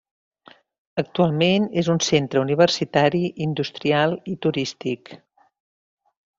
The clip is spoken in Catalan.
Actualment és un centre universitari, industrial i turístic.